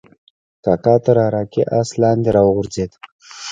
کاکا تر عراقي آس لاندې راوغورځېد.